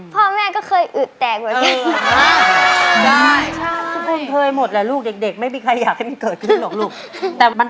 พ่อแม่ก็เคยอึดแตกเหมือนกัน